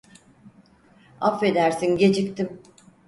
Affedersin, geciktim.